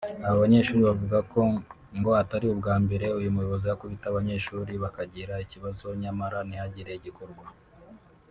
Aba banyeshuri bavuga ko ngo atari ubwa mbere uyu muyobozi akubita abanyeshuri bakagira ibibazo nyamara ntihagire igikorwa